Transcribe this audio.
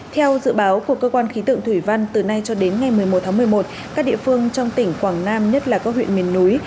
theo dự báo của cơ quan khí tượng thủy văn từ nay cho đến ngày một mươi một tháng một mươi một các địa phương trong tỉnh quảng nam nhất là các huyện miền núi